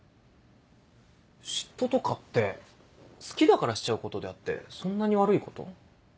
嫉妬とかって好きだからしちゃうことであってそんなに悪いこと？